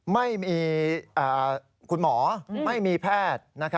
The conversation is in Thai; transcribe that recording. ไม่มีคุณหมอไม่มีแพทย์